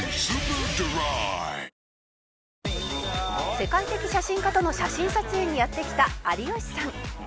「世界的写真家との写真撮影にやって来た有吉さん」